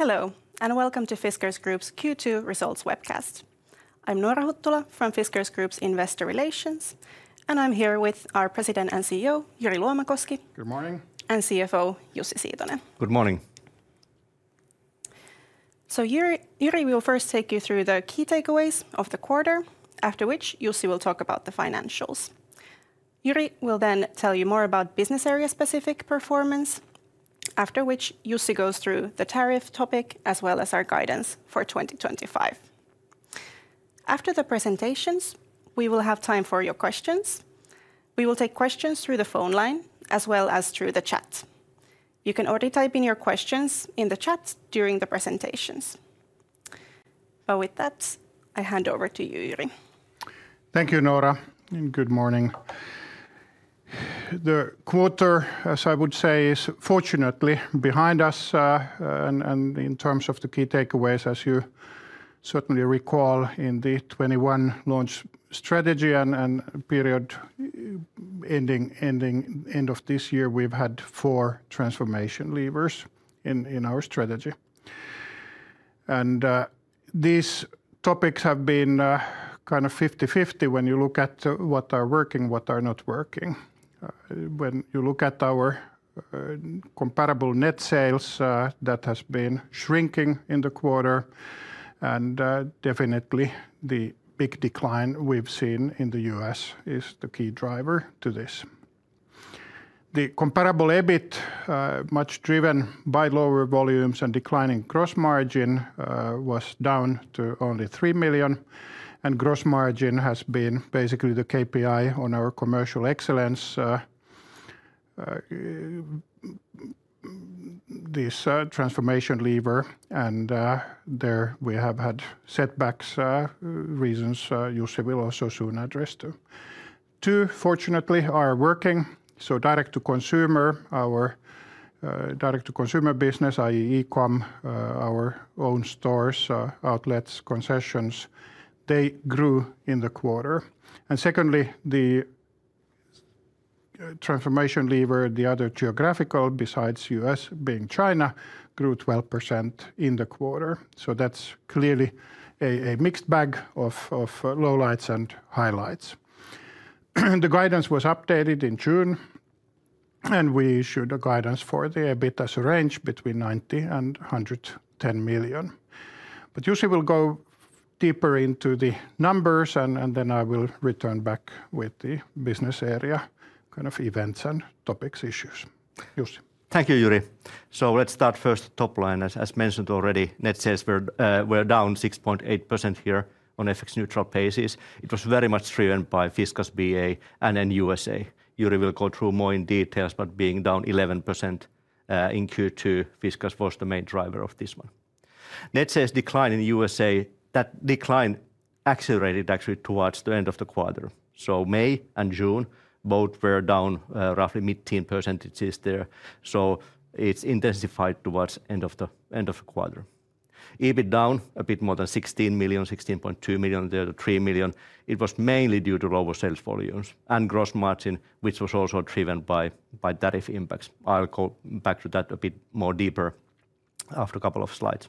Hello and welcome to Fiskars Group's Q2 Results Webcast. I'm Noora Huttula from Fiskars Group's Investor Relations, and I'm here with our President and CEO, Jyri Luomakoski. Good morning. CFO, Jussi Siitonen. Good morning. Jyri, we will first take you through the key takeaways of the quarter, after which Jussi will talk about the financials. Jyri will then tell you more about business-area-specific performance, after which Jussi goes through the tariff topic as well as our guidance for 2025. After the presentations, we will have time for your questions. We will take questions through the phone line as well as through the chat. You can already type in your questions in the chat during the presentations. With that, I hand over to you, Jyri. Thank you, Noora, and good morning. The quarter, as I would say, is fortunately behind us, and in terms of the key takeaways, as you certainly recall, in the 2021 launch strategy and period ending end of this year, we've had four transformation levers in our strategy. These topics have been kind of 50/50 when you look at what are working, what are not working. When you look at our comparable net sales, that has been shrinking in the quarter, and definitely the big decline we've seen in the U.S. is the key driver to this. The Comparable EBIT, much driven by lower volumes and declining Gross margin, was down to only 3 million, and Gross margin has been basically the KPI on our commercial excellence. This transformation lever, and there we have had setbacks, reasons Jussi will also soon address too. Two, fortunately, are working. Direct-to-consumer, our Direct-to-consumer business, i.e. e-com, our own stores, outlets, concessions, they grew in the quarter. The transformation lever, the other geographical, besides the U.S. being China, grew 12% in the quarter. That's clearly a mixed bag of lowlights and highlights. The guidance was updated in June, and we issued a guidance for the EBIT as a range between 90 million and 110 million. Jussi will go deeper into the numbers, and then I will return back with the Business Area kind of events and topics, issues. Jussi. Thank you, Jyri. Let's start first top line. As mentioned already, net sales were down 6.8% here on a fixed neutral basis. It was very much driven by Fiskars BA and then U.S. Jyri will go through more in detail, but being down 11% in Q2, Fiskars was the main driver of this one. Net sales decline in the U.S., that decline accelerated actually towards the end of the quarter. May and June both were down roughly mid-teen % there. It's intensified towards the end of the quarter. EBIT down a bit more than 16 million, 16.2 million there, the 3 million. It was mainly due to lower sales volumes and Gross margin, which was also driven by tariff impacts. I'll go back to that a bit more deeper after a couple of slides.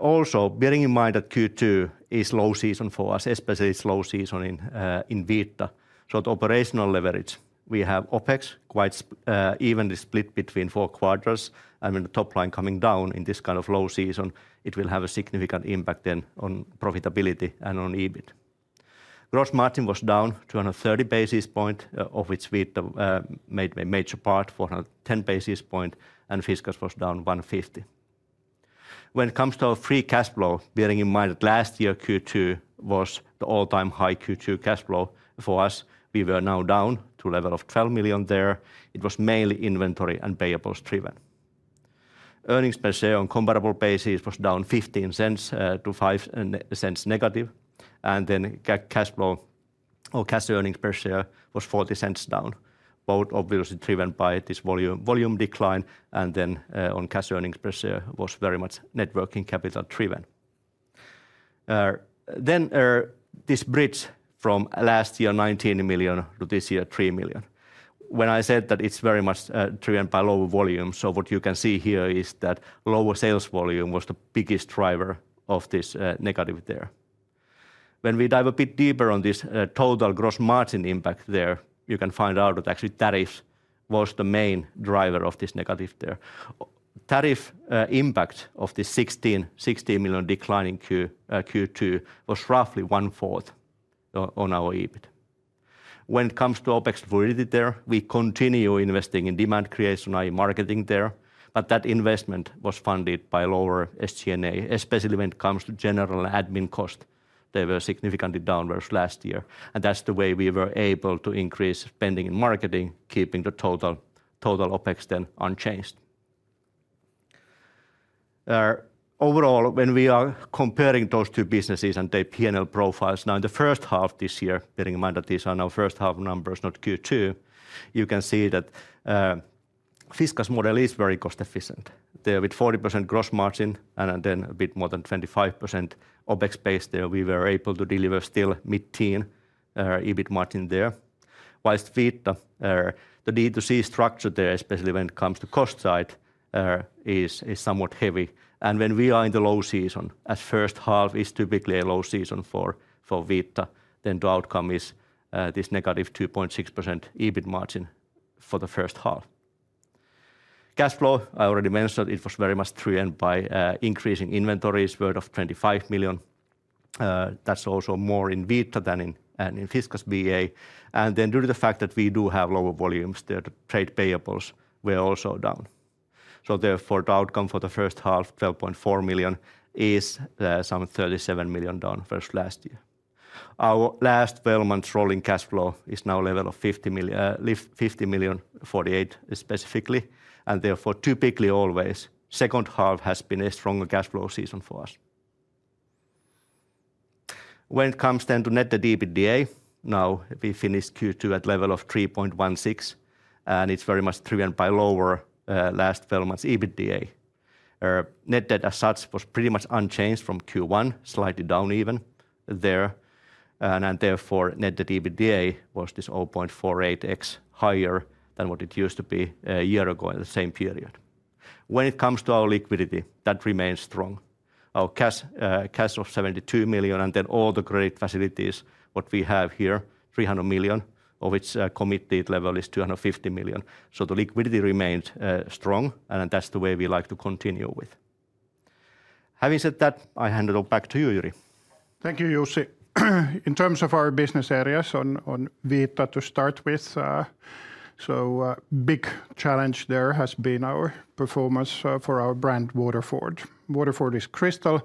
Also, bearing in mind that Q2 is slow season for us, especially slow season in Vita. The operational leverage, we have OpEx quite evenly split between four quarters, and when the top line coming down in this kind of low season, it will have a significant impact then on profitability and on EBIT. Gross margin was down 230 basis point, of which Vita made a major part, 410 basis point, and Fiskars was down 150. When it comes to our free cash flow, bearing in mind that last year Q2 was the all-time high Q2 cash flow for us, we were now down to a level of 12 million there. It was mainly inventory and payables driven. Earnings per share on comparable basis was down 0.15 to -0.05, and cash flow or cash earnings per share was 0.40 down. Both obviously driven by this volume decline, and on cash earnings per share was very much networking capital driven. This bridge from last year 19 million to this year 3 million. When I said that it's very much driven by lower volumes, what you can see here is that lower sales volume was the biggest driver of this negative there. When we dive a bit deeper on this total Gross margin impact there, you can find out that actually tariff was the main driver of this negative there. Tariff impacts of this 16 million decline in Q2 was roughly one fourth on our EBIT. When it comes to OpEx we did there, we continue investing in demand creation, i.e. marketing there, but that investment was funded by lower SG&A, especially when it comes to general admin cost. They were significantly downwards last year, and that's the way we were able to increase spending in marketing, keeping the total OpEx then unchanged. Overall, when we are comparing those two businesses and their P&L profiles now in the first half this year, bearing in mind that these are now first half numbers, not Q2, you can see that Fiskars model is very cost efficient. With 40% Gross margin and then a bit more than 25% OpEx base there, we were able to deliver still mid-teen EBIT margin there. Whilst Vita, the Direct-to-consumer structure there, especially when it comes to cost side, is somewhat heavy. When we are in the low season, as first half is typically a low season for Vita, the outcome is this negative 2.6% EBIT margin for the first half. Cash flow, I already mentioned, it was very much driven by increasing inventories, worth of 25 million. That's also more in Vita than in Fiskars BA. Due to the fact that we do have lower volumes there, trade payables were also down. Therefore, the outcome for the first half, 12.4 million, is some 37 million down versus last year. Our last 12 months rolling cash flow is now a level of 50 million, 50 million, 48 specifically. Typically always, second half has been a stronger cash flow season for us. When it comes then to net debt/EBITDA, now we finished Q2 at a level of 3.16, and it's very much driven by lower last 12 months EBITDA. Net debt as such was pretty much unchanged from Q1, slightly down even there. Therefore, net debt/EBITDA was this 0.48x higher than what it used to be a year ago in the same period. When it comes to our liquidity, that remains strong. Our cash of 72 million, and then all the credit facilities, what we have here, 300 million, of which the committed level is 250 million. The liquidity remains strong, and that's the way we like to continue with. Having said that, I hand it all back to you, Jyri. Thank you, Jussi. In terms of our Business Areas on Vita to start with, a big challenge there has been our performance for our brand, Waterford. Waterford is crystal.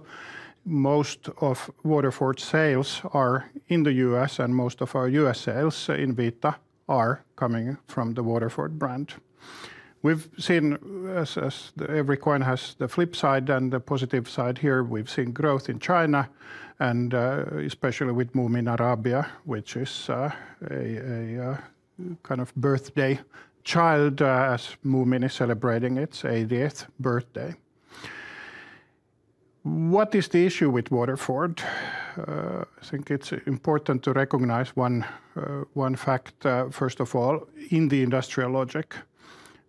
Most of Waterford's sales are in the U.S., and most of our U.S. sales in Vita are coming from the Waterford brand. We've seen, as every coin has the flip side and the positive side here, we've seen growth in China, and especially with Moomin Arabia, which is a kind of birthday child as Moomin is celebrating its 80th birthday. What is the issue with Waterford? I think it's important to recognize one fact. First of all, in the industrial logic,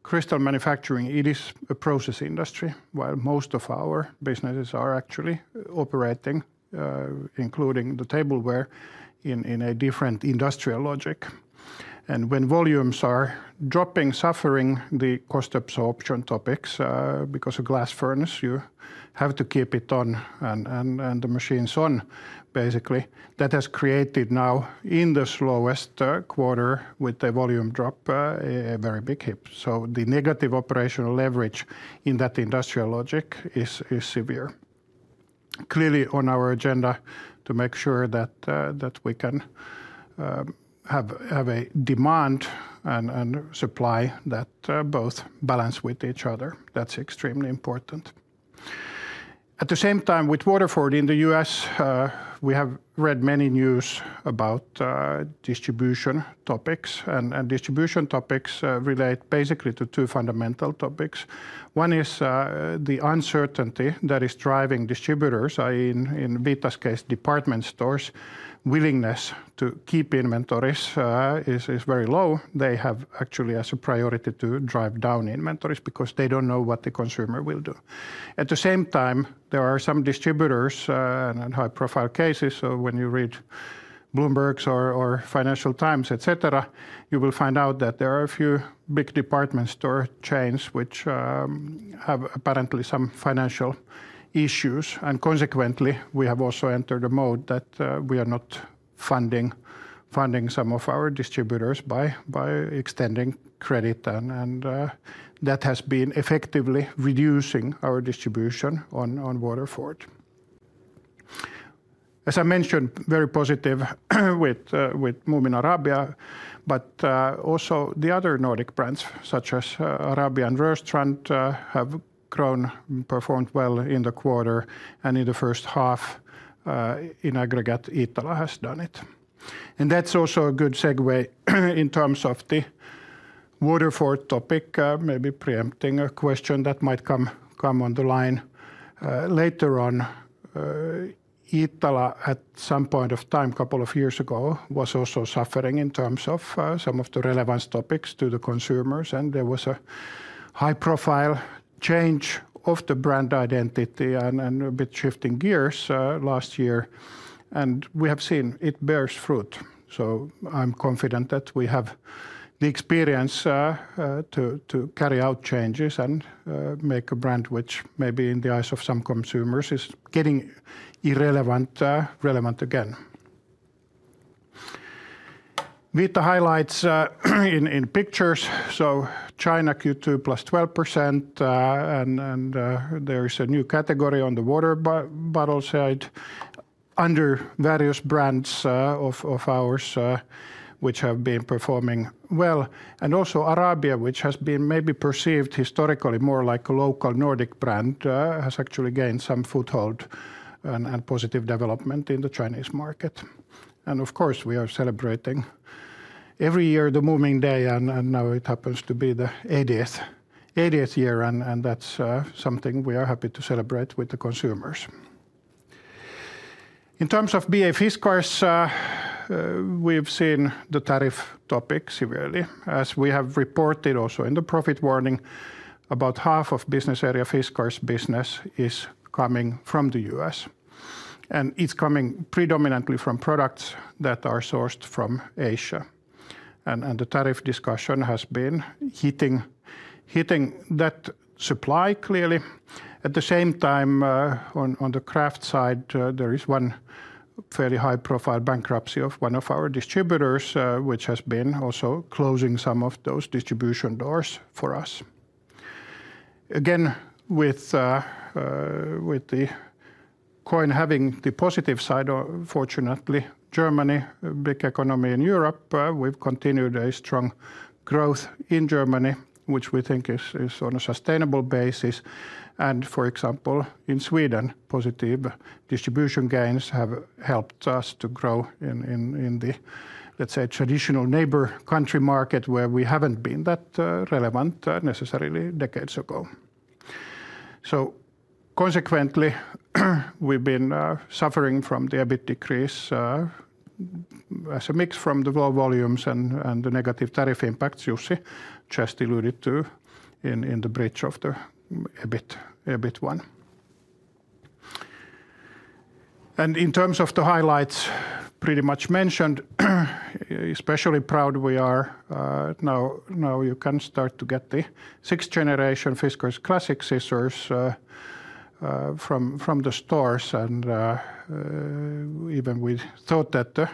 crystal manufacturing, it is a Process industry, while most of our businesses are actually operating, including the tableware, in a different industrial logic. When volumes are dropping, suffering the cost absorption topics, because a glass furnace, you have to keep it on and the machines on, basically. That has created now in the slowest quarter with the volume drop a very big hit. The negative operational leverage in that industrial logic is severe. It is clearly on our agenda to make sure that we can have a demand and supply that both balance with each other. That's extremely important. At the same time, with Waterford in the U.S., we have read many news about distribution topics, and distribution topics relate basically to two fundamental topics. One is the uncertainty that is driving distributors, i.e., in Vita's case, department stores, willingness to keep inventories is very low. They have actually as a priority to drive down inventories because they don't know what the consumer will do. At the same time, there are some distributors and high-profile cases. When you read Bloomberg or Financial Times, etc., you will find out that there are a few big department store chains which have apparently some financial issues. Consequently, we have also entered a mode that we are not funding some of our distributors by extending credit, and that has been effectively reducing our distribution on Waterford. As I mentioned, very positive with Moomin Arabia, but also the other Nordic brands such as Arabia and Rörstrand have grown and performed well in the quarter, and in the first half, in aggregate, Iittala has done it. That's also a good segue in terms of the Waterford topic, maybe preempting a question that might come on the line later on. Iittala, at some point of time, a couple of years ago, was also suffering in terms of some of the relevance topics to the consumers, and there was a high-profile change of the brand identity and a bit shifting gears last year. We have seen it bears fruit. I'm confident that we have the experience to carry out changes and make a brand which maybe in the eyes of some consumers is getting irrelevant again. Vita highlights in pictures, so China Q2 +12%, and there is a new category on the water bottle side under various brands of ours which have been performing well. Also, Arabia, which has been maybe perceived historically more like a local Nordic brand, has actually gained some foothold and positive development in the Chinese market. Of course, we are celebrating every year the Moomin Day, and now it happens to be the 80th year, and that's something we are happy to celebrate with the consumers. In terms of BA Fiskars, we've seen the tariff topic severely. As we have reported also in the Profit warning, about half of Business Area Fiskars business is coming from the U.S., and it's coming predominantly from products that are sourced from Asia. The tariff discussion has been hitting that supply clearly. At the same time, on the craft side, there is one fairly high-profile bankruptcy of one of our distributors, which has been also closing some of those distribution doors for us. With the coin having the positive side, fortunately, Germany, a big economy in Europe, we've continued a strong growth in Germany, which we think is on a sustainable basis. For example, in Sweden, positive distribution gains have helped us to grow in the, let's say, traditional neighbor country market where we haven't been that relevant necessarily decades ago. Consequently, we've been suffering from the EBIT decrease as a mix from the low volumes and the negative tariff impacts Jussi just alluded to in the bridge of the EBIT one. In terms of the highlights, pretty much mentioned, especially proud we are now you can start to get the sixth generation Fiskars classic scissors from the stores. Even we thought that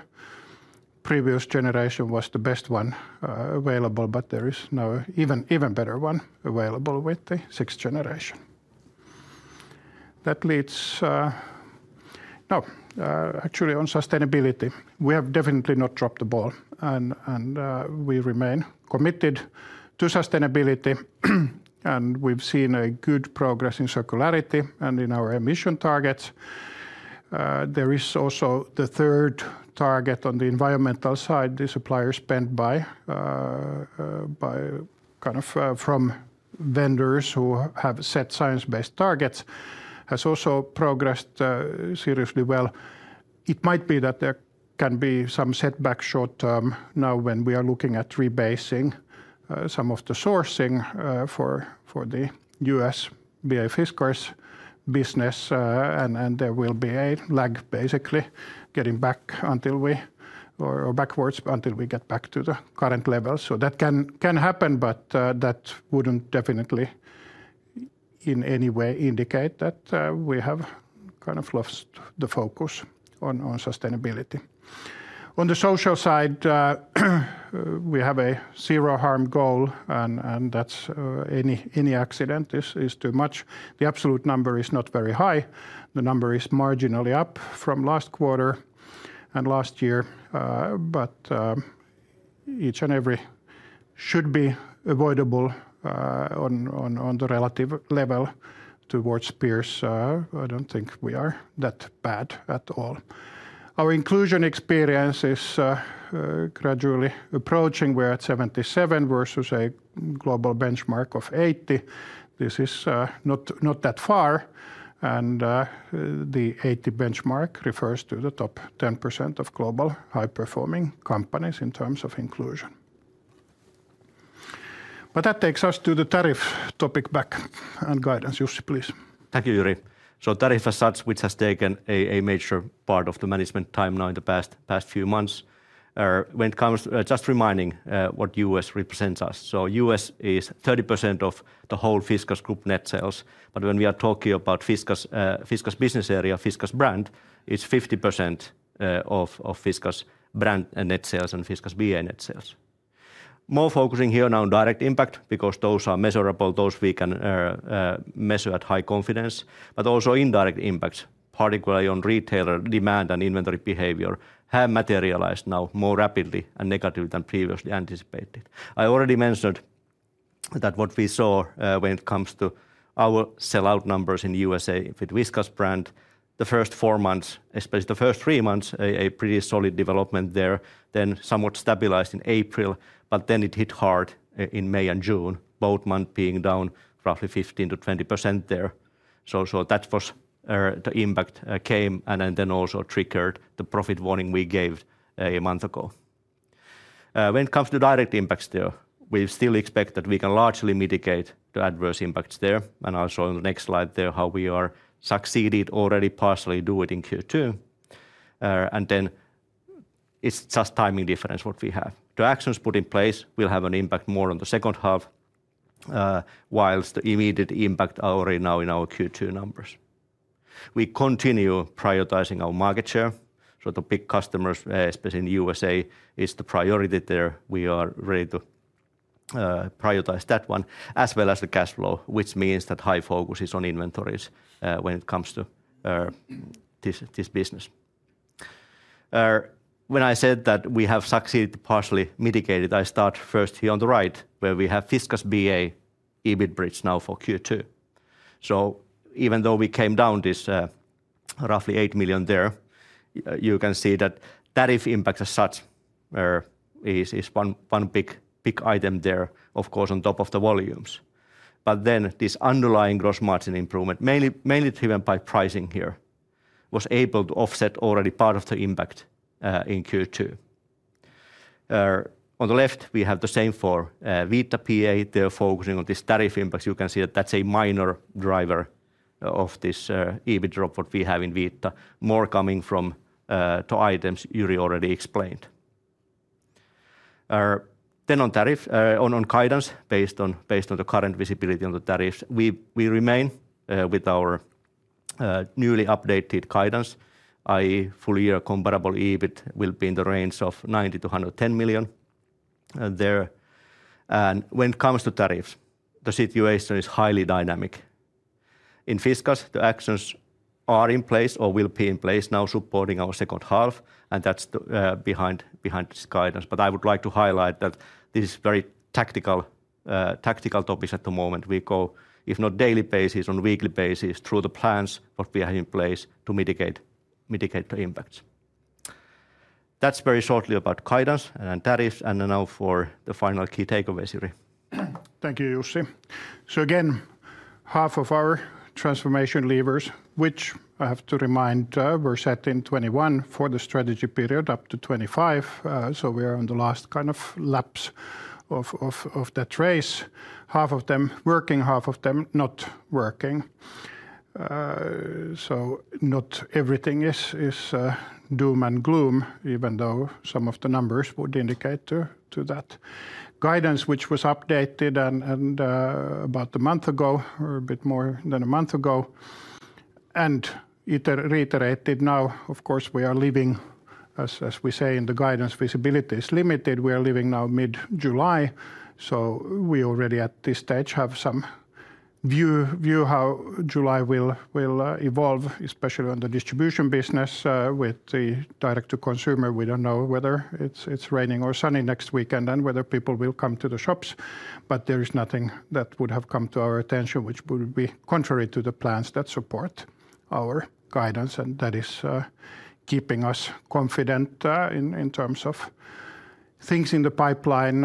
the previous generation was the best one available, but there is now an even better one available with the sixth generation. That leads, no, actually on sustainability. We have definitely not dropped the ball, and we remain committed to sustainability. We've seen a good progress in circularity and in our emission targets. There is also the third target on the environmental side. The supplier spend by kind of from vendors who have set Science-based targets has also progressed seriously well. It might be that there can be some setbacks short term now when we are looking at rebasing some of the sourcing for the U.S. BA Fiskars business, and there will be a lag basically getting back until we, or backwards, until we get back to the current level. That can happen, but that wouldn't definitely in any way indicate that we have kind of lost the focus on sustainability. On the social side, we have a zero harm goal, and that's any accident is too much. The absolute number is not very high. The number is marginally up from last quarter and last year, but each and every should be avoidable. On the relative level towards peers, I don't think we are that bad at all. Our Inclusion experience is gradually approaching. We're at 77 versus a global benchmark of 80. This is not that far, and the 80 benchmark refers to the top 10% of global high-performing companies in terms of inclusion. That takes us to the tariff topic back and guidance. Jussi, please. Thank you, Jyri. Tariff as such, which has taken a major part of the management timeline in the past few months. When it comes, just reminding what the U.S. represents us. The U.S. is 30% of the whole Fiskars Group net sales, but when we are talking about Fiskars Business Area, Fiskars brand, it's 50% of Fiskars brand net sales and Fiskars BA net sales. Focusing here now on direct impact because those are measurable, those we can measure at high confidence, but also indirect impacts, particularly on retailer demand and inventory behavior, have materialized now more rapidly and negatively than previously anticipated. I already mentioned that what we saw when it comes to our Sell-out numbers in the U.S.A., if it's Fiskars brand, the first four months, especially the first three months, a pretty solid development there, then somewhat stabilized in April, but it hit hard in May and June, both months being down roughly 15% to 20% there. That was the impact that came and also triggered the Profit warning we gave a month ago. When it comes to direct impacts there, we still expect that we can largely mitigate the adverse impacts there, and also on the next slide, how we have succeeded already partially to do it in Q2. It's just timing difference what we have. The actions put in place will have an impact more on the second half, whilst the immediate impact already now in our Q2 numbers. We continue prioritizing our market share, so the big customers, especially in the U.S.A., is the priority there. We are ready to prioritize that one, as well as the cash flow, which means that high focus is on inventories when it comes to this business. When I said that we have succeeded to partially mitigate it, I start first here on the right, where we have Fiskars BA EBIT bridge now for Q2. Even though we came down this roughly 8 million there, you can see that tariff impact as such is one big item there, of course, on top of the volumes. This underlying Gross margin improvement, mainly driven by pricing here, was able to offset already part of the impact in Q2. On the left, we have the same for Vita BA. Focusing on this tariff impact, you can see that that's a minor driver of this EBIT drop we have in Vita, more coming from the items Jyri already explained. On tariff, on guidance based on the current visibility on the tariffs, we remain with our newly updated guidance, i.e. Full year Comparable EBIT will be in the range of 90 to 110 million. When it comes to tariffs, the situation is highly dynamic. In Fiskars, the actions are in place or will be in place now supporting our second half, and that's behind this guidance. I would like to highlight that this is very tactical topics at the moment. We go, if not on a daily basis, on a weekly basis through the plans we have in place to mitigate the impacts. That's very shortly about guidance and tariffs, and now for the final key takeaways, Jyri. Thank you, Jussi. Half of our transformation levers, which I have to remind were set in 2021 for the strategy period up to 2025, are working and half of them are not working. Not everything is doom and gloom, even though some of the numbers would indicate that. Guidance, which was updated about a month ago, or a bit more than a month ago, and reiterated now. Of course, we are living, as we say in the guidance, visibility is limited. We are living now mid-July. We already at this stage have some view how July will evolve, especially on the distribution business with the Direct-to-consumer. We don't know whether it's raining or sunny next weekend and whether people will come to the shops. There is nothing that would have come to our attention which would be contrary to the plans that support our guidance. That is keeping us confident in terms of things in the pipeline,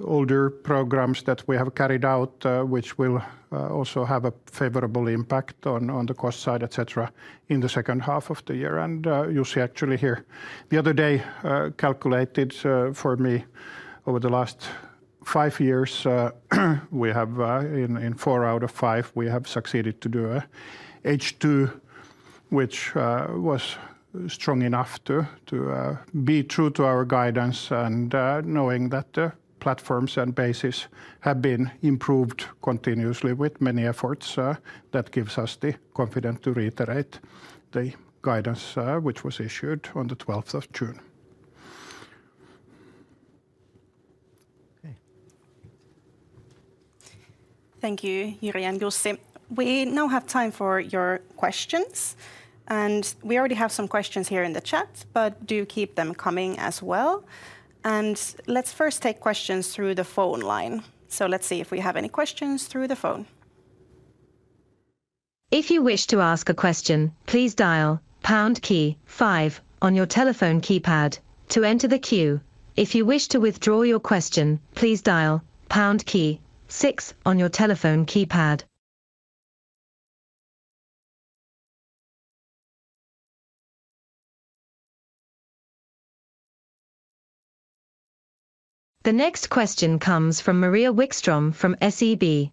older programs that we have carried out, which will also have a favorable impact on the cost side, etc., in the second half of the year. Jussi actually here the other day calculated for me over the last five years, we have in four out of five, succeeded to do an H2 which was strong enough to be true to our guidance. Knowing that the platforms and bases have been improved continuously with many efforts, that gives us the confidence to reiterate the guidance which was issued on the 12th of June. Thank you, Jyri and Jussi. We now have time for your questions. We already have some questions here in the chat, but do keep them coming as well. Let's first take questions through the phone line. Let's see if we have any questions through the phone. If you wish to ask a question, please dial pound key five on your telephone keypad to enter the queue. If you wish to withdraw your question, please dial pound key six on your telephone keypad. The next question comes from Maria Wikström from SEB.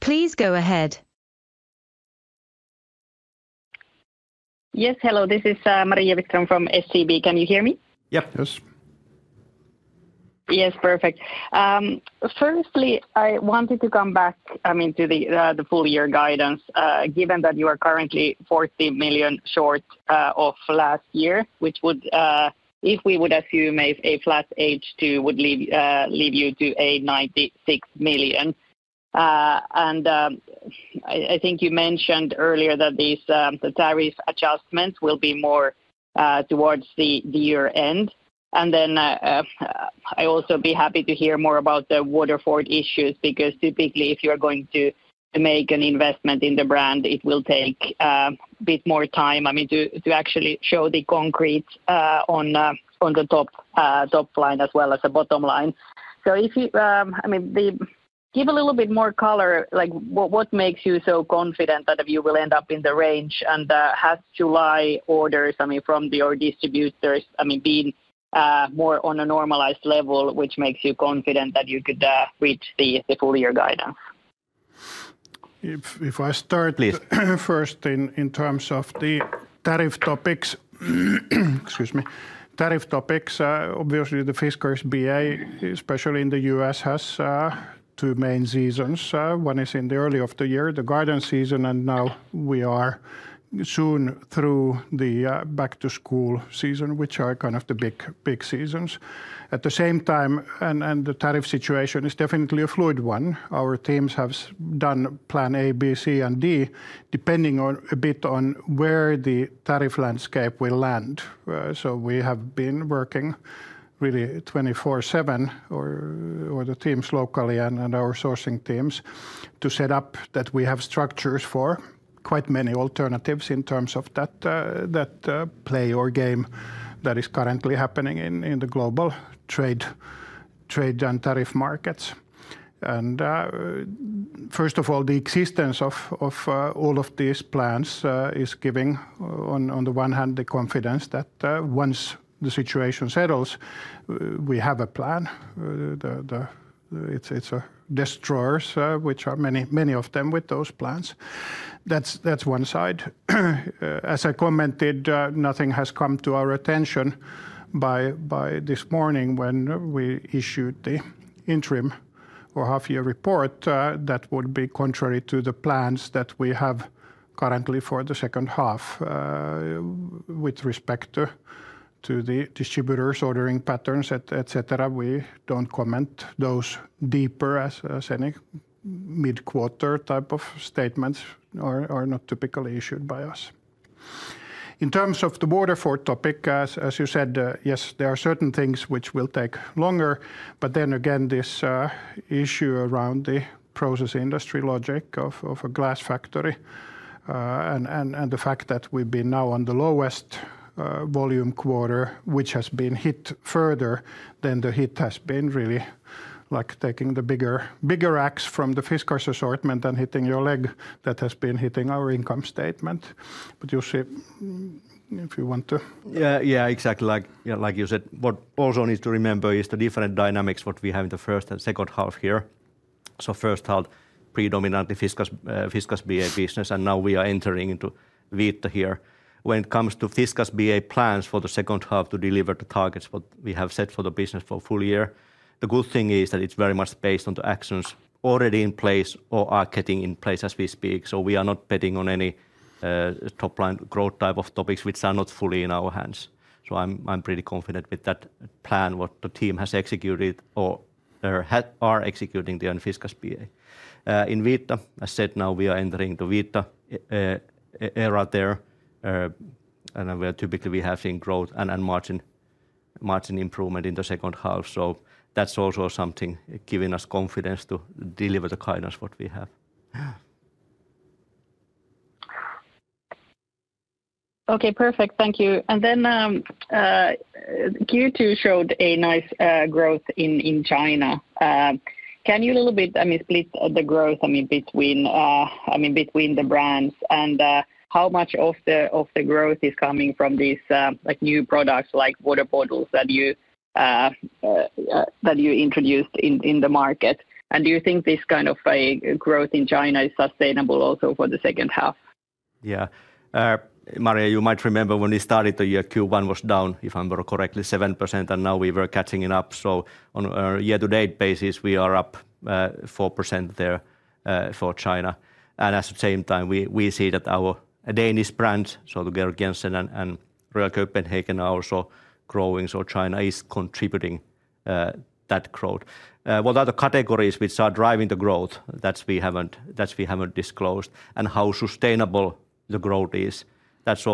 Please go ahead. Yes, hello, this is Maria Wikström from SEB. Can you hear me? Yep, yes. Yes, perfect. Firstly, I wanted to come back to the full year guidance, given that you are currently 40 million short of last year, which would, if we would assume a flat H2, would leave you to a 96 million. I think you mentioned earlier that these tariff adjustments will be more towards the year end. I would also be happy to hear more about the Waterford issues because typically, if you're going to make an investment in the brand, it will take a bit more time to actually show the concrete on the top line as well as the bottom line. If you could give a little bit more color, like what makes you so confident that you will end up in the range and have July orders from your distributors being more on a normalized level, which makes you confident that you could reach the full year guidance? If I start, please, first in terms of the tariff topics, obviously the Fiskars BA, especially in the U.S., has two main seasons. One is in the early of the year, the guidance season, and now we are soon through the back-to-school season, which are kind of the big seasons. At the same time, the tariff situation is definitely a fluid one. Our teams have done plan A, B, C, and D, depending a bit on where the tariff landscape will land. We have been working really 24/7 with the teams locally and our sourcing teams to set up that we have structures for quite many alternatives in terms of that play or game that is currently happening in the global trade and tariff markets. First of all, the existence of all of these plans is giving, on the one hand, the confidence that once the situation settles, we have a plan. It's a destroyer, which are many, many of them with those plans. That's one side. As I commented, nothing has come to our attention by this morning when we issued the interim or half-year report that would be contrary to the plans that we have currently for the second half with respect to the distributors, ordering patterns, etc. We don't comment those deeper as any mid-quarter type of statements are not typically issued by us. In terms of the Waterford topic, as you said, yes, there are certain things which will take longer, but then again, this issue around the Process industry logic of a glass factory and the fact that we've been now on the lowest volume quarter, which has been hit further than the hit has been really like taking the bigger ax from the Fiskars assortment and hitting your leg that has been hitting our income statement. Jussi, if you want to... Yeah, exactly. Like you said, what also needs to remember is the different dynamics what we have in the first and second half here. The first half, predominantly Fiskars BA business, and now we are entering into Vita here. When it comes to Fiskars BA plans for the second half to deliver the targets what we have set for the business for full year, the good thing is that it's very much based on the actions already in place or are getting in place as we speak. We are not betting on any top line growth type of topics which are not fully in our hands. I'm pretty confident with that plan what the team has executed or are executing there in Fiskars BA. In Vita, as I said, now we are entering the Vita era there, and we are typically having growth and margin improvement in the second half. That's also something giving us confidence to deliver the guidance what we have. Okay, perfect. Thank you. Q2 showed a nice growth in China. Can you, I mean, split the growth between the brands and how much of the growth is coming from these new products like water bottles that you introduced in the market? Do you think this kind of growth in China is sustainable also for the second half? Yeah. Maria, you might remember when we started the year, Q1 was down, if I'm correct, 7%, and now we were catching it up. On a year-to-date basis, we are up 4% there for China. At the same time, we see that our Danish brands, so the Georg Jensen and Royal Copenhagen, have been also growing. China is contributing that growth. What are the categories which are driving the growth that we haven't disclosed and how sustainable the growth is? That's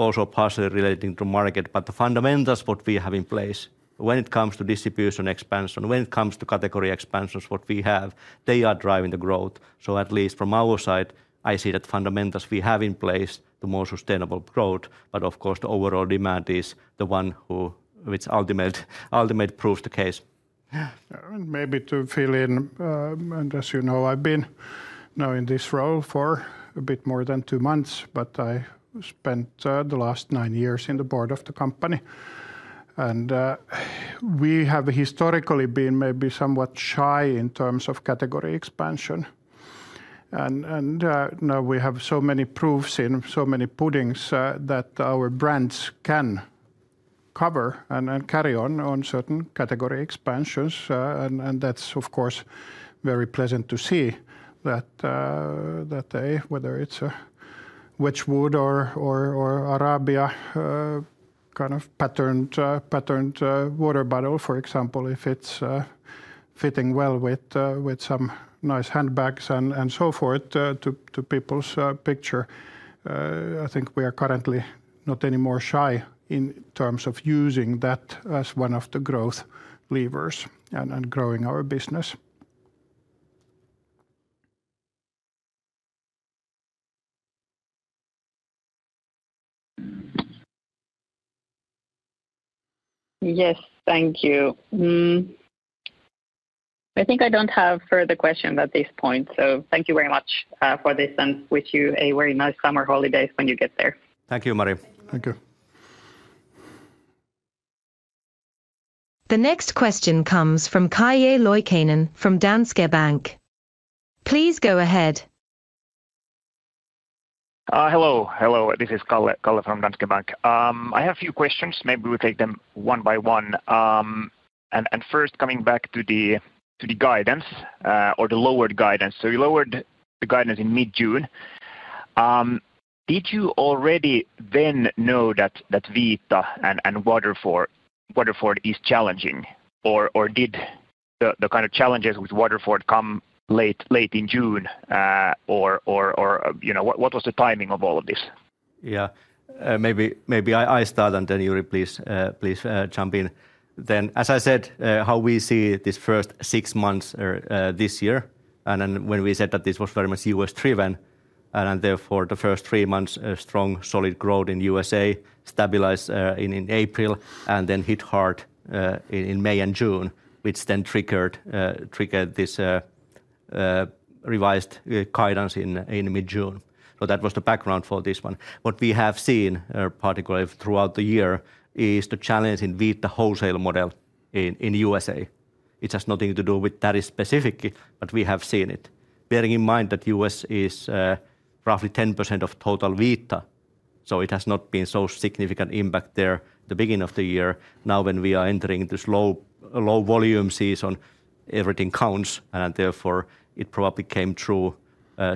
also partially relating to market, but the fundamentals we have in place when it comes to distribution expansion, when it comes to category expansions we have, they are driving the growth. At least from our side, I see that fundamentals we have in place to more sustainable growth, but of course the overall demand is the one which ultimately proves the case. Maybe to fill in, and as you know, I've been now in this role for a bit more than two months, but I spent the last nine years in the Board of the company. We have historically been maybe somewhat shy in terms of category expansion. Now we have so many proofs in so many puddings that our brands can cover and carry on on certain category expansions. That's of course very pleasant to see that whether it's a Wedgwood or Arabia kind of patterned water bottle, for example, if it's fitting well with some nice handbags and so forth to people's picture. I think we are currently not any more shy in terms of using that as one of the growth levers and growing our business. Yes, thank you. I think I don't have further questions at this point. Thank you very much for this and wish you a very nice summer holiday when you get there. Thank you, Maria. Thank you. The next question comes from Kalle Rythkönen from Danske Bank. Please go ahead. Hello, hello, this is Kalle from Danske Bank. I have a few questions. Maybe we'll take them one by one. First, coming back to the guidance or the lowered guidance. You lowered the guidance in mid-June. Did you already then know that Vita and Waterford is challenging? Did the kind of challenges with Waterford come late in June? What was the timing of all of this? Yeah, maybe I start and then Jyri, please jump in. As I said, how we see these first six months this year, when we said that this was very much U.S.-driven. The first three months, strong, solid growth in the U.S., stabilized in April, and then hit hard in May and June, which triggered this revised guidance in mid-June. That was the background for this one. What we have seen particularly throughout the year is the challenge in Vita wholesale model in the U.S. It has nothing to do with tariffs specifically, but we have seen it. Bearing in mind that the U.S. is roughly 10% of total Vita, it has not been so significant impact there at the beginning of the year. Now when we are entering this low volume season, everything counts. Therefore, it probably came true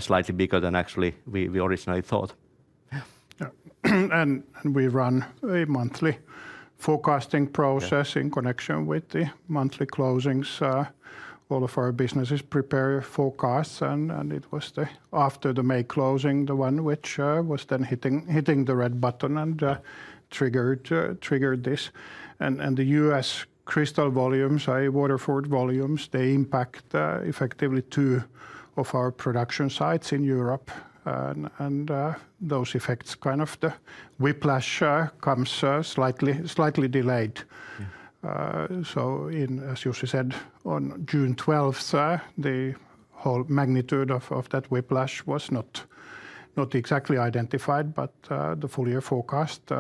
slightly bigger than actually we originally thought. We run a monthly forecasting process in connection with the monthly closings. All of our businesses prepare forecasts. It was after the May closing, the one which was then hitting the red button and triggered this. The U.S. crystal volumes, i.e. Waterford volumes, impact effectively two of our production sites in Europe. Those effects, kind of the whiplash, come slightly delayed. As Jussi Siitonen said, on June 12th, the whole magnitude of that whiplash was not exactly identified, but the full-year forecast,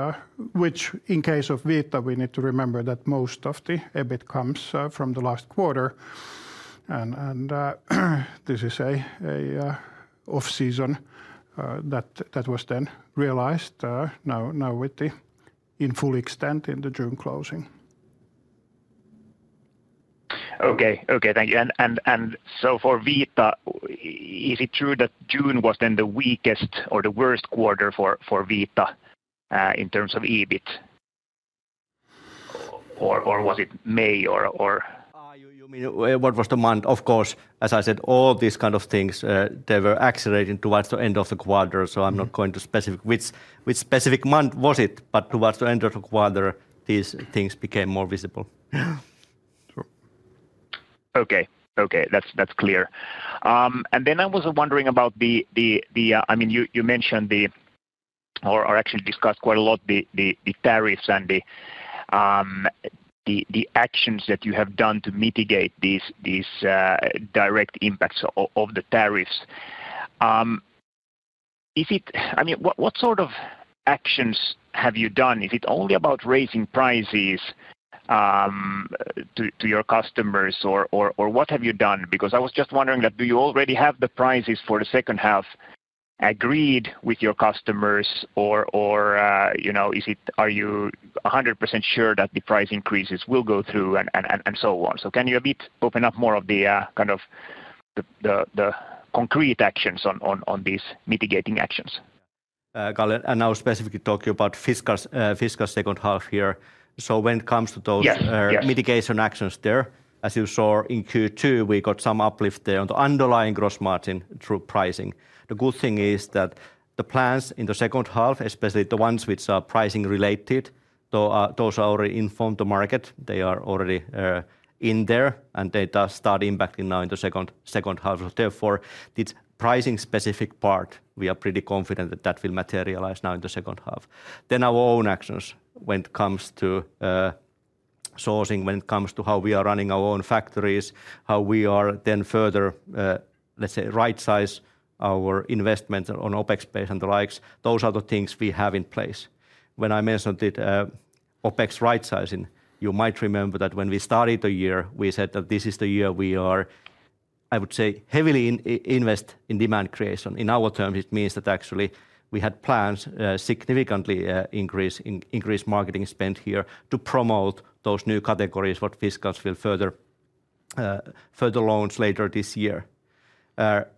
which in the case of Vita, we need to remember that most of the EBIT comes from the last quarter. This is an off-season that was then realized now with the full extent in the June closing. Thank you. For Vita, is it true that June was the weakest or the worst quarter for Vita in terms of EBIT? Or was it May? You mean what was the month? As I said, all these kind of things were accelerating towards the end of the quarter. I'm not going to specify which specific month it was, but towards the end of the quarter, these things became more visible. Okay, that's clear. I was wondering about the, I mean, you mentioned the, or actually discussed quite a lot, the tariffs and the actions that you have done to mitigate these direct impacts of the tariffs. If it, I mean, what sort of actions have you done? Is it only about raising prices to your customers or what have you done? I was just wondering that do you already have the prices for the second half agreed with your customers or, you know, are you 100% sure that the price increases will go through and so on? Can you open up more of the kind of the concrete actions on these mitigating actions? Now specifically talking about Fiskars second half here. When it comes to those mitigation actions, as you saw in Q2, we got some uplift on the underlying Gross margin through pricing. The good thing is that the plans in the second half, especially the ones which are pricing related, are already in the market. They are already in there and they start impacting now in the second half. Therefore, this pricing specific part, we are pretty confident that will materialize now in the second half. Our own actions when it comes to sourcing, when it comes to how we are running our own factories, how we are then further, let's say, right size our investments on OpEx base and the likes, those are the things we have in place. When I mentioned it, OpEx right sizing, you might remember that when we started the year, we said that this is the year we are, I would say, heavily invest in demand creation. In our terms, it means that actually we had plans to significantly increase marketing spend here to promote those new categories that Fiskars will further launch later this year.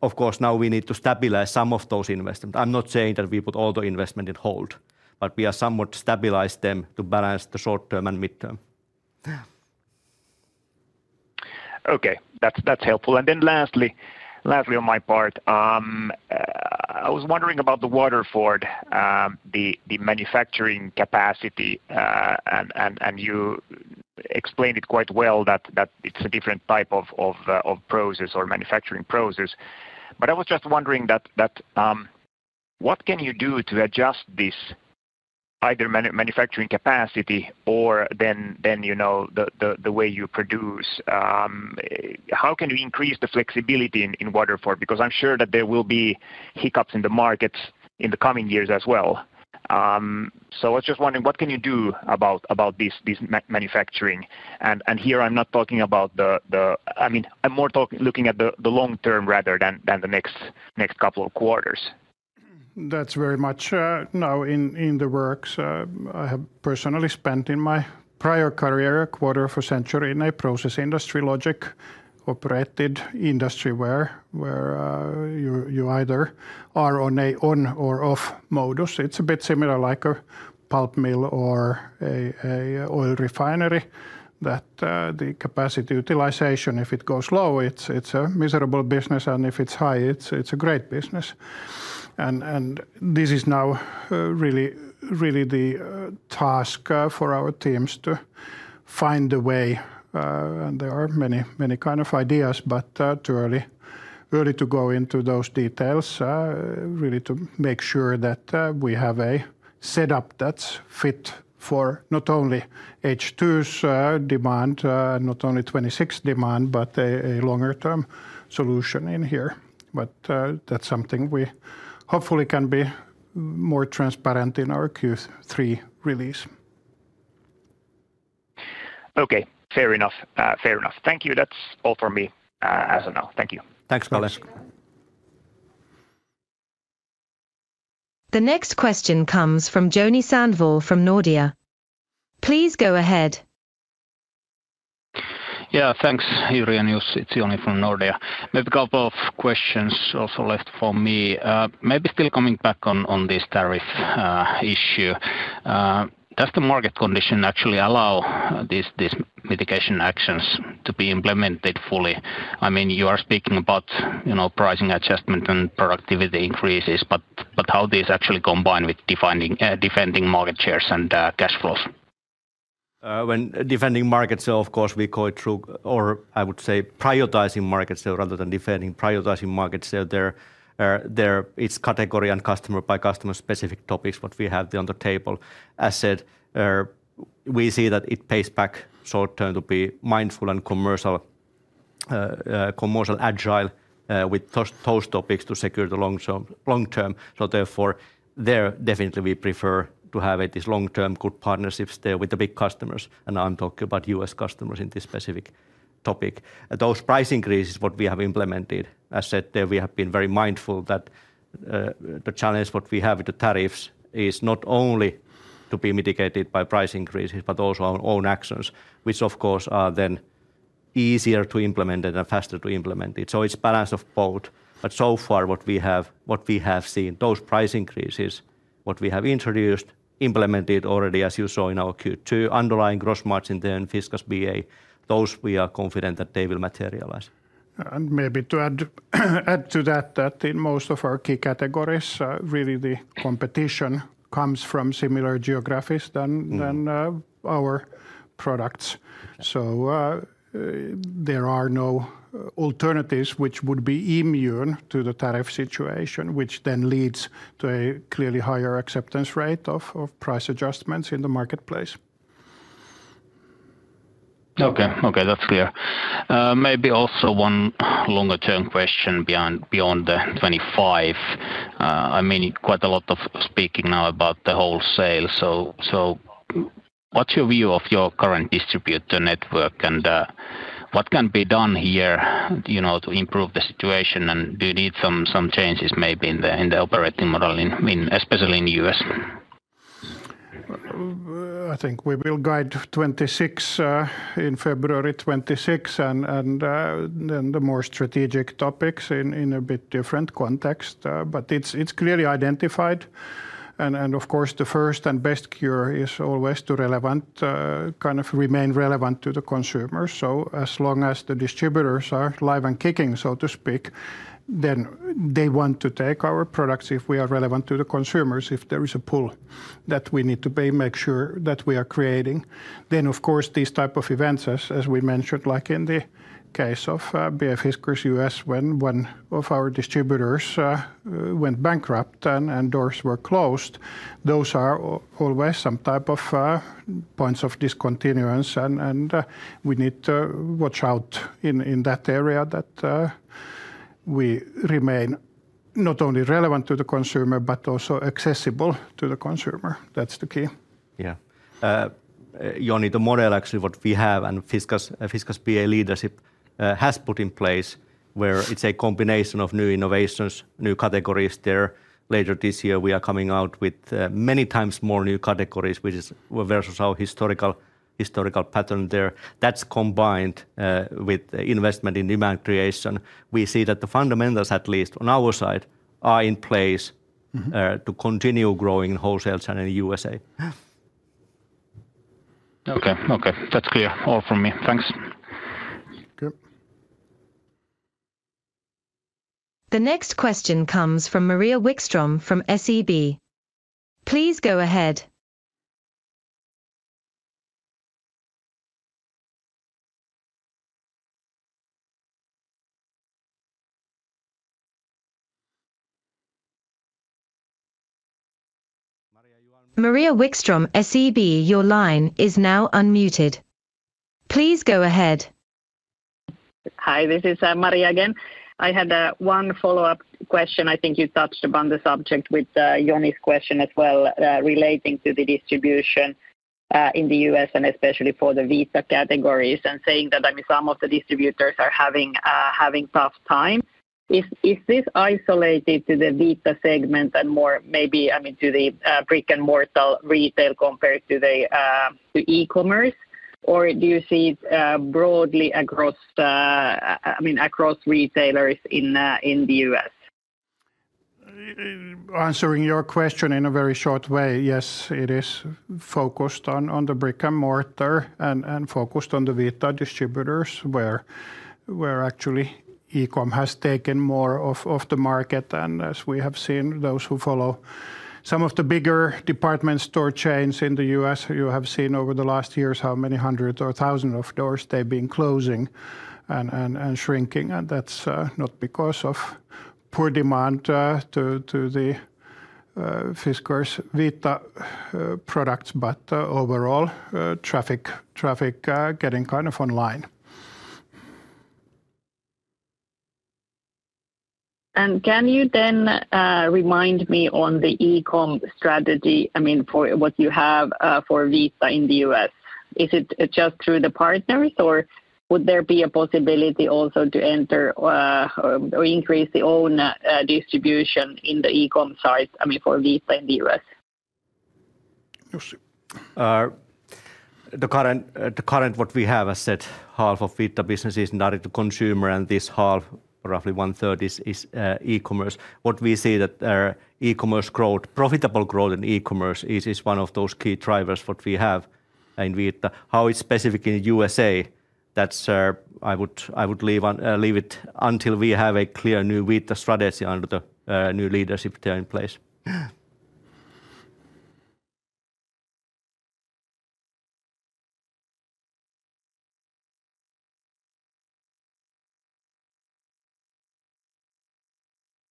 Of course, now we need to stabilize some of those investments. I'm not saying that we put all the investment on hold, but we have somewhat stabilized them to balance the short term and mid term. Okay, that's helpful. Lastly, on my part, I was wondering about Waterford, the manufacturing capacity, and you explained it quite well that it's a different type of process or manufacturing process. I was just wondering what can you do to adjust this, either manufacturing capacity or the way you produce? How can you increase the flexibility in Waterford? I'm sure that there will be hiccups in the markets in the coming years as well. I was just wondering what can you do about this manufacturing? Here I'm not talking about the, I mean, I'm more looking at the long term rather than the next couple of quarters. That's very much now in the works. I have personally spent in my prior career a quarter of a century in a Process industry logic operated industry where you either are on an on or off modus. It's a bit similar like a pulp mill or an oil refinery that the capacity utilization, if it goes low, it's a miserable business, and if it's high, it's a great business. This is now really, really the task for our teams to find a way. There are many, many kinds of ideas, but too early to go into those details, really to make sure that we have a setup that's fit for not only H2's demand and not only 2026 demand, but a longer term solution in here. That's something we hopefully can be more transparent in our Q3 release. Okay, fair enough. Thank you. That's all for me as of now. Thank you. Thanks, Kalle. The next question comes from Joni Sandvall from Nordea. Please go ahead. Yeah, thanks, Jyri and Jussi. It's Joni from Nordea. Maybe a couple of questions also left for me. Maybe still coming back on this tariff issue. Does the market condition actually allow these mitigation actions to be implemented fully? I mean, you are speaking about pricing adjustment and productivity increases, but how do you actually combine with defending market shares and cash flows? When defending market sale, of course, we call it true, or I would say prioritizing market sale rather than defending. Prioritizing market sale there, it's category and customer by customer specific topics what we have on the table. As said, we see that it pays back short term to be mindful and commercially agile with those topics to secure the long term. Therefore, we definitely prefer to have this long term good partnerships there with the big customers. I'm talking about U.S. customers in this specific topic. Those price increases what we have implemented, as said there, we have been very mindful that the challenge what we have with the tariffs is not only to be mitigated by price increases, but also our own actions, which of course are then easier to implement and faster to implement. It's a balance of both. So far, what we have seen, those price increases, what we have introduced, implemented already, as you saw in our Q2, underlying Gross margin then Fiskars BA, those we are confident that they will materialize. To add to that, in most of our key categories, the competition comes from similar geographies as our products. There are no alternatives which would be immune to the tariff situation, which leads to a clearly higher acceptance rate of price adjustments in the marketplace. Okay, that's clear. Maybe also one longer term question beyond the 2025. I mean, quite a lot of speaking now about the wholesale. What's your view of your current distributor network and what can be done here to improve the situation? Do you need some changes maybe in the operating model, especially in the U.S.? I think we will guide 2026 in February 2026, and then the more strategic topics in a bit different context. It's clearly identified. Of course, the first and best cure is always to remain relevant to the consumers. As long as the distributors are live and kicking, so to speak, they want to take our products if we are relevant to the consumers. If there is a pull that we need to make sure that we are creating, these types of events, as we mentioned, like in the case of Fiskars U.S., when one of our distributors went bankrupt and doors were closed, those are always some type of points of discontinuance. We need to watch out in that area that we remain not only relevant to the consumer, but also accessible to the consumer. That's the key. Yeah. Joni, the model actually, what we have and Fiskars BA leadership has put in place, where it's a combination of new innovations, new categories there. Later this year, we are coming out with many times more new categories, which is versus our historical pattern there. That's combined with investment in demand creation. We see that the fundamentals, at least on our side, are in place to continue growing wholesale channel in the U.S. Okay, that's clear. All from me. Thanks. The next question comes from Maria Wikström from SEB. Please go ahead. Maria Wikström, SEB, your line is now unmuted. Please go ahead. Hi, this is Maria again. I had one follow-up question. I think you touched upon the subject with Joni's question as well, relating to the distribution in the U.S. and especially for the Vita categories and saying that, I mean, some of the distributors are having a tough time. Is this isolated to the Vita segment and more maybe, I mean, to the brick and mortar retail compared to the e-commerce? Or do you see it broadly across, I mean, across retailers in the U.S.? Answering your question in a very short way, yes, it is focused on the brick and mortar and focused on the Vita distributors where actually e-com has taken more of the market. As we have seen, those who follow some of the bigger department store chains in the U.S., you have seen over the last years how many hundreds or thousands of doors they've been closing and shrinking. That's not because of poor demand to the Fiskars Vita products, but overall traffic getting kind of online. Can you then remind me on the e-com strategy, I mean, for what you have for Vita in the U.S.? Is it just through the partners, or would there be a possibility also to enter or increase the own distribution in the e-com site, I mean, for Vita in the U.S.? The current, what we have, as said, half of Vita business is not into consumer and this half, roughly one third is e-commerce. What we see is that e-commerce growth, profitable growth in e-commerce is one of those key drivers what we have in Vita. How it's specific in the U.S., that’s I would leave it until we have a clear new Vita strategy under the new leadership there in place.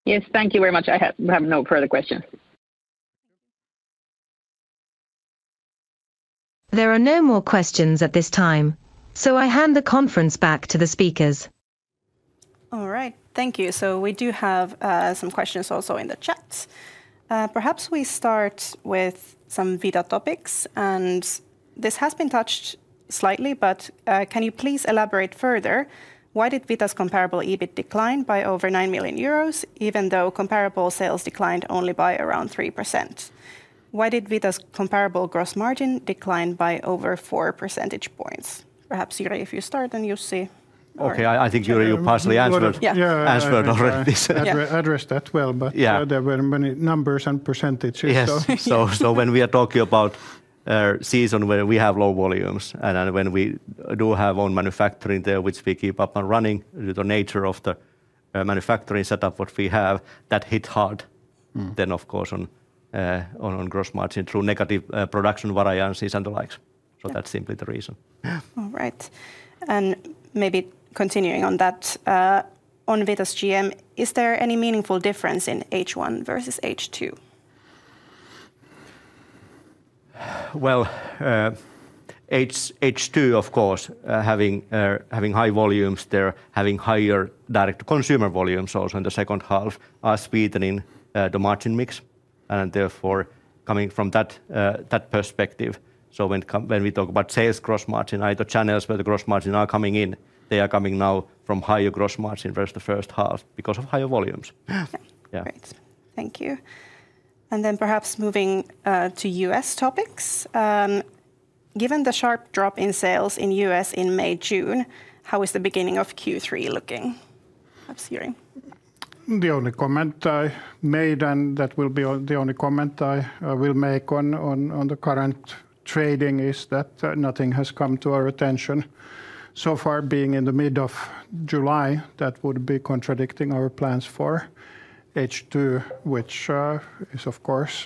Yes, thank you very much. I have no further questions. There are no more questions at this time, so I hand the conference back to the speakers. All right, thank you. We do have some questions also in the chats. Perhaps we start with some Vita topics, and this has been touched slightly, but can you please elaborate further? Why did Vita's Comparable EBIT decline by over 9 million euros, even though comparable sales declined only by around 3%? Why did Vita's comparable Gross margin decline by over 4 percentage points? Perhaps, Jyri, if you start and Jussi. Okay, I think Jyri, you partially answered already. I addressed that well, but there were many numbers and %. When we are talking about a season where we have low volumes and when we do have own manufacturing there, which we keep up and running due to the nature of the manufacturing setup we have, that hit hard. Of course, on Gross margin through negative production variances and the likes, that's simply the reason. All right. Maybe continuing on that, on Vita's GM, is there any meaningful difference in H1 versus H2? H2, of course, having high volumes there, having higher Direct-to-consumer volumes also in the second half, are sweetening the margin mix and therefore coming from that perspective. When we talk about sales Gross margin, either channels where the Gross margin are coming in, they are coming now from higher Gross margin versus the first half because of higher volumes. Okay, great. Thank you. Perhaps moving to U.S. topics. Given the sharp drop in sales in the U.S. in May, June, how is the beginning of Q3 looking? Perhaps, Jyri. The only comment I made, and that will be the only comment I will make on the current trading, is that nothing has come to our attention. So far, being in the mid of July, that would be contradicting our plans for H2, which is of course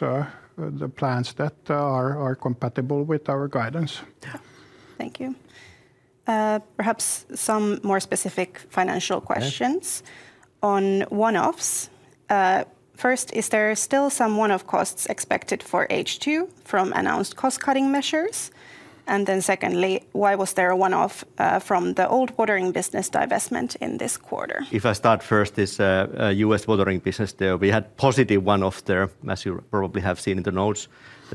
the plans that are compatible with our guidance. Thank you. Perhaps some more specific financial questions on one-offs. First, is there still some one-off costs expected for H2 from announced cost cutting measures? Secondly, why was there a one-off from the old watering business divestment in this quarter? If I start first, this U.S. watering business there, we had positive one-offs there, as you probably have seen in the notes.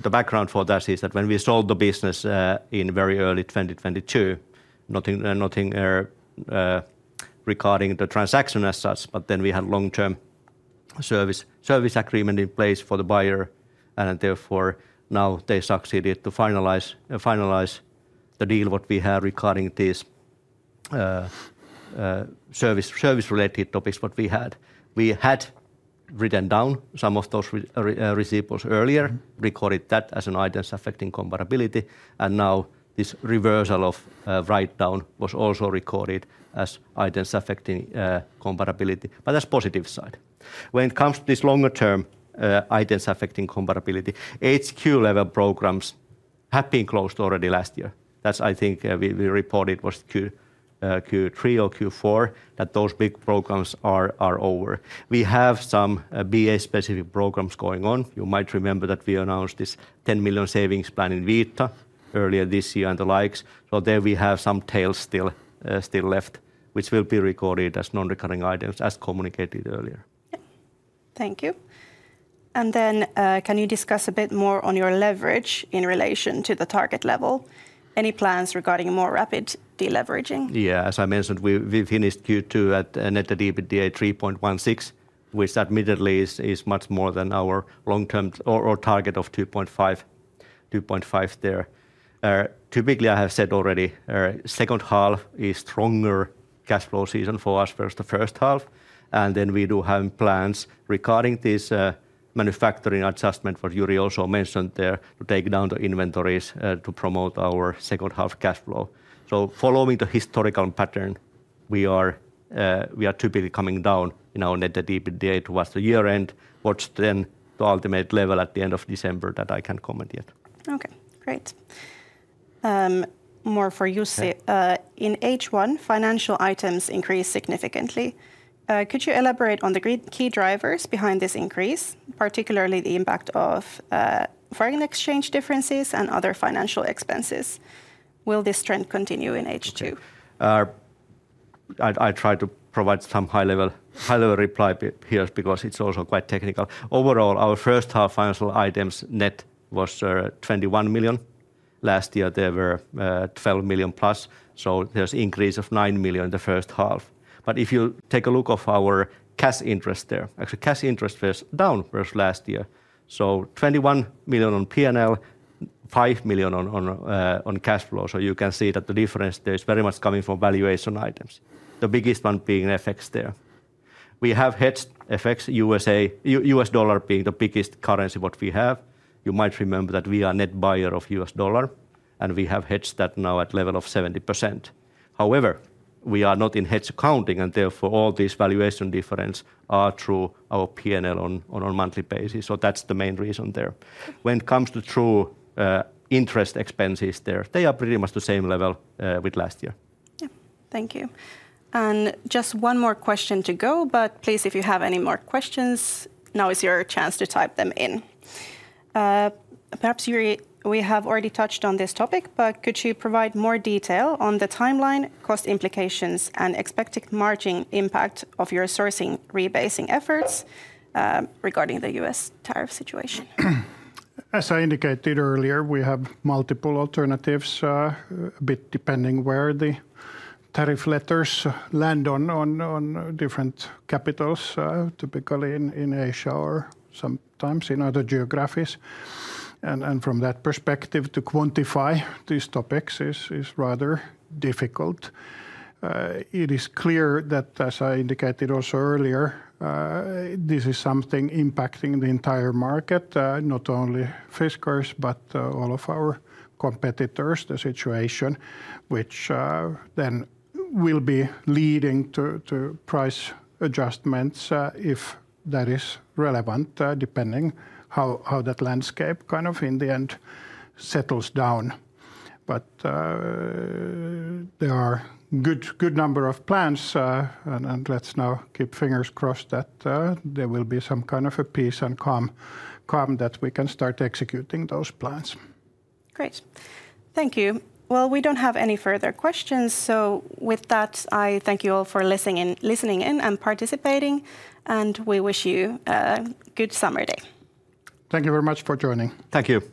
The background for that is that when we sold the business in very early 2022, nothing regarding the transaction as such, but we had a long-term service agreement in place for the buyer. Therefore, now they succeeded to finalize the deal we have regarding these service-related topics we had. We had written down some of those receipts earlier, recorded that as an item affecting comparability. Now this reversal of write-down was also recorded as items affecting comparability, but that's a positive side. When it comes to these longer-term items affecting comparability, HQ level programs have been closed already last year. I think we reported it was Q3 or Q4 that those big programs are over. We have some BA specific programs going on. You might remember that we announced this 10 million savings plan in Vita earlier this year and the likes. There we have some tails still left, which will be recorded as non-recurring items as communicated earlier. Thank you. Can you discuss a bit more on your leverage in relation to the target level? Any plans regarding more rapid deleveraging? Yeah, as I mentioned, we finished Q2 at a net debt/EBITDA 3.16, which admittedly is much more than our long-term target of 2.5 there. Typically, I have said already, the second half is a stronger cash flow season for us versus the first half. We do have plans regarding this manufacturing adjustment, what Jyri also mentioned there, to take down the inventories to promote our second half cash flow. Following the historical pattern, we are typically coming down in our net debt/EBITDA towards the year end, what's then the ultimate level at the end of December that I can comment yet. Okay, great. More for Jussi. In H1, financial items increased significantly. Could you elaborate on the key drivers behind this increase, particularly the impact of foreign exchange differences and other financial expenses? Will this trend continue in H2? I tried to provide some high-level reply here because it's also quite technical. Overall, our first half financial items net was 21 million. Last year, they were 12 million plus. There's an increase of 9 million in the first half. If you take a look at our cash interest there, actually cash interest is down versus last year. 21 million on P&L, 5 million on cash flow. You can see that the difference there is very much coming from valuation items, the biggest one being FX there. We have hedged FX, U.S. dollar being the biggest currency we have. You might remember that we are a net buyer of U.S. dollar, and we have hedged that now at a level of 70%. However, we are not in hedge accounting, and therefore all these valuation differences are through our P&L on a monthly basis. That's the main reason there. When it comes to true interest expenses there, they are pretty much the same level with last year. Thank you. Just one more question to go. If you have any more questions, now is your chance to type them in. Perhaps we have already touched on this topic, but could you provide more detail on the timeline, cost implications, and expected margin impact of your sourcing rebasing efforts regarding the U.S. tariff situation? As I indicated earlier, we have multiple alternatives, a bit depending where the tariff letters land on different capitals, typically in Asia or sometimes in other geographies. From that perspective, to quantify these topics is rather difficult. It is clear that, as I indicated also earlier, this is something impacting the entire market, not only Fiskars, but all of our competitors, the situation, which then will be leading to price adjustments if that is relevant, depending on how that landscape kind of in the end settles down. There are a good number of plans, and let's now keep fingers crossed that there will be some kind of a peace and calm that we can start executing those plans. Great. Thank you. We don't have any further questions. With that, I thank you all for listening in and participating, and we wish you a good summer day. Thank you very much for joining. Thank you.